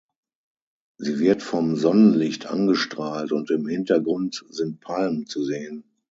Sie wird vom Sonnenlicht angestrahlt und im Hintergrund sind Palmen zu sehen.